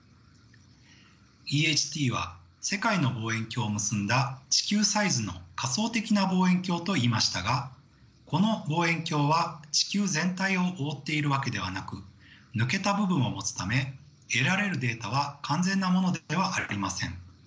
ＥＨＴは世界の望遠鏡を結んだ地球サイズの仮想的な望遠鏡と言いましたがこの望遠鏡は地球全体を覆っているわけではなく抜けた部分を持つため得られるデータは完全なものではありません。